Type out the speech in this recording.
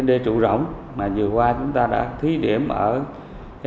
công nghệ thứ hai là công nghệ mà vừa qua chúng tôi đã làm mang lại hiệu quả cao đó